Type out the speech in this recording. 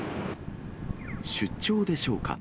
出張でしょうか。